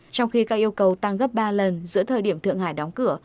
trong khi các yêu cầu tăng gấp ba lần giữa thời điểm thượng hải đóng cửa